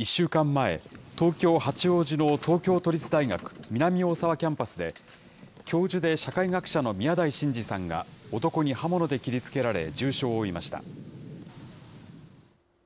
１週間前、東京・八王子の東京都立大学南大沢キャンパスで、教授で社会学者の宮台真司さんが男に刃物で切りつけられ、重傷を負いました。